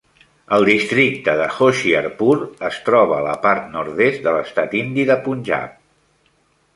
El districte de Hoshiarpur es troba a la part nord-est de l'estat indi de Punjab.